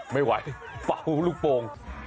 ไม่ไหวเป่าลูกโป่ง